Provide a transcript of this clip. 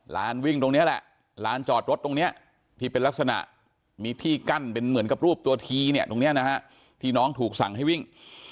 วิ่งตรงนี้แหละร้านจอดรถตรงนี้ที่เป็นลักษณะมีที่กั้นเป็นเหมือนกับรูปตัวทีเนี่ยตรงนี้นะฮะที่น้องถูกสั่งให้วิ่ง